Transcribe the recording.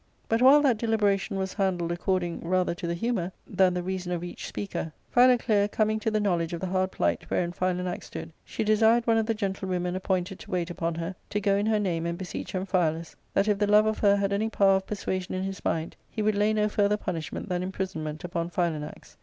But, while that deliberation was handled according rather to the humour than the reason of each speaker, Philoclea coming to the knowledge of the hard plight wherein Philanax stood, she desired one of the gentlewomen appointed to wait upon her to go in her name and beseech Amphialus that, if the love of her had any power of persuasion in his mind, he /V would lay no further punishment than imprisonment upon Philanax.